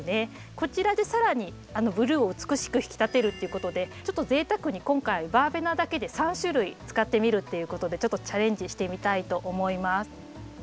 こちらで更にブルーを美しく引き立てるっていうことでちょっと贅沢に今回バーベナだけで３種類使ってみるっていうことでちょっとチャレンジしてみたいと思います。